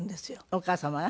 お母様が？